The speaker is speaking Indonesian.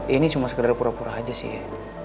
ini cuma sekedar pura pura aja sih ya